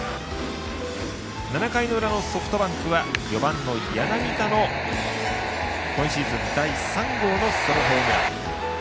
７回の裏のソフトバンクは４番の柳田の今シーズン第３号のソロホームラン。